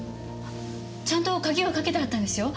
ちゃんと鍵はかけてあったんですよ。